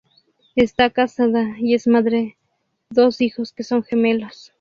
Está casada y es madre dos hijos que son gemelos.